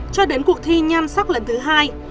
cho đến cuộc thi nhan sắc lần thứ hai